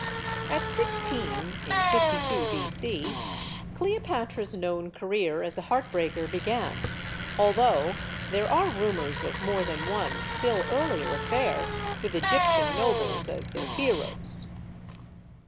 At sixteen in 52 B. C. Cleopatra's known career as a heartbreaker began; although there are rumors of more than one still earlier affair, with Egyptian nobles as their heroes.